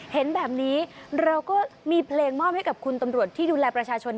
เห็นแบบนี้เราก็มีเพลงมอบให้กับคุณตำรวจที่ดูแลประชาชน